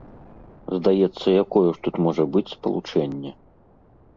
Здаецца, якое ж тут можа быць спалучэнне?